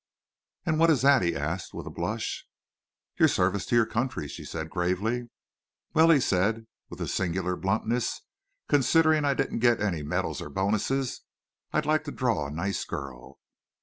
"And what is that?" he asked, with a blush. "Your service to your country," she said, gravely. "Well," he said, with a singular bluntness, "considering I didn't get any medals or bonuses, I'd like to draw a nice girl."